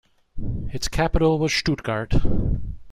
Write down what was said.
Its capital was Stuttgart.